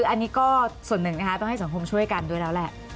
อันนี้ก็ส่วนหนึ่งนะคะต้องให้สังคมช่วยกันด้วยแล้วแหละ